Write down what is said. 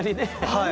はい。